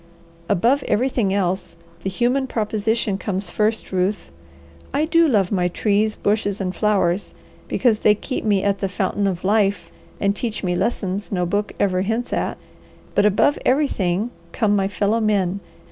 Above everything else, the human proposition comes first, Ruth. I do love my trees, bushes, and flowers, because they keep me at the fountain of life, and teach me lessons no book ever hints at; but above everything come my fellow men.